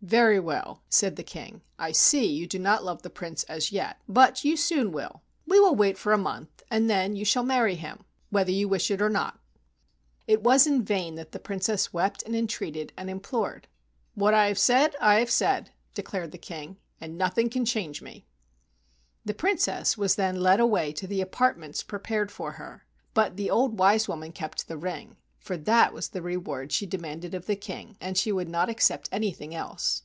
"Very well," said the King. "I see you do not love the Prince as yet, but you soon will. We will wait for a month, and then you shall marry him whether you wish it or not." It was in vain the Princess wept and entreated and implored. "What I have said, I have said," declared the King, "and nothing can change me." The Princess was then led away to the apart¬ ments prepared for her, but the old wise woman 52 AN EAST INDIAN STORY kept the ring, for that was the reward she demanded of the King, and she would not accept anything else.